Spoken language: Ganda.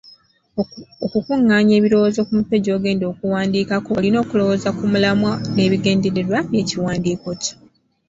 Okukuŋŋaanya ebirowoozo ku mutwe gy’ogenda okuwandiikako, olina okulowooza ku mulamwa n’ebigendererwa by’ekiwandiiko kyo.